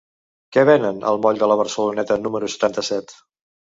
Què venen al moll de la Barceloneta número setanta-set?